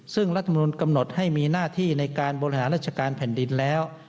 ซึ่งรัฐมนุนกำหนดให้มีหน้าที่ในการบริหารราชการแผ่นดินแล้ว